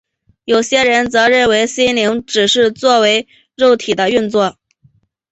有些人则认为心灵只是肉体的运作。